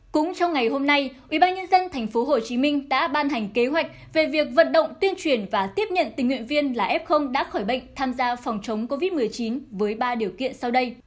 cũng trong ngày hôm nay ubnd tp hcm đã ban hành kế hoạch về việc vận động tuyên truyền và tiếp nhận tình nguyện viên là f đã khỏi bệnh tham gia phòng chống covid một mươi chín với ba điều kiện sau đây